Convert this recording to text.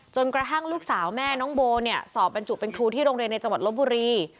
กระทั่งลูกสาวแม่น้องโบเนี่ยสอบบรรจุเป็นครูที่โรงเรียนในจังหวัดลบบุรี